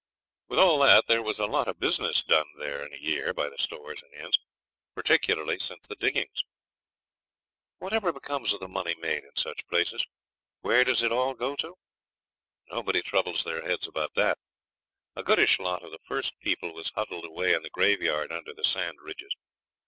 With all that there was a lot of business done there in a year by the stores and inns, particularly since the diggings. Whatever becomes of the money made in such places? Where does it all go to? Nobody troubles their heads about that. A goodish lot of the first people was huddled away in the graveyard under the sand ridges.